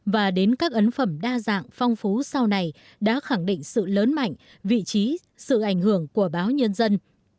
và đến các ấn phẩm đa dạng phong phú sau này đã khẳng định sự lớn mạnh vị trí sự ảnh hưởng của báo nhân dân